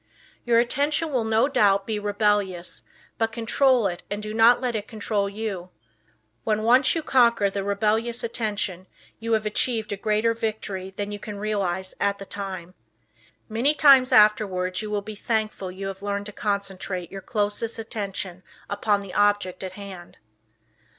Your attention will no doubt be rebellious, but control it and do not let it control you. When once you conquer the rebellious attention you have achieved a greater victory than you can realize at the time. Many times afterwards you will be thankful you have learned to concentrate your closest attention upon the object at hand.